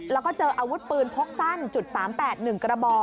แล้วก็เจออาวุธปืนพกสั้น๓๘๑กระบอก